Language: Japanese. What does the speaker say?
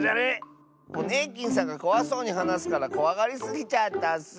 ホネーキンさんがこわそうにはなすからこわがりすぎちゃったッス。